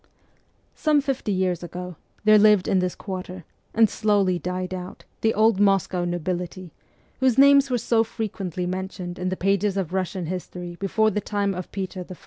Some fifty years ago, there lived in this quarter, and slowly died out, the old Moscow nobility, whose names were so frequently mentioned in the pages of Eussian history before the time of Peter I.